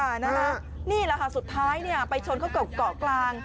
นะฮะนี่แหละค่ะสุดท้ายเนี่ยไปชนเขากับเกาะกลาง